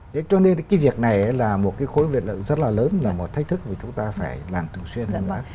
cho nên cái việc này là một cái khối việc rất là lớn là một thách thức mà chúng ta phải làm thường xuyên